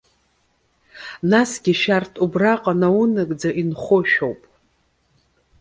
Насгьы шәарҭ убраҟа наунагӡа инхо шәоуп.